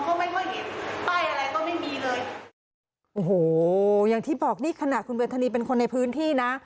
ก็ไม่ค่อยมีป้ายอะไรก็ไม่มีเลยโอ้โหอย่างที่บอกนี่ขณะคุณเวทนีเป็นคนในพื้นที่นะ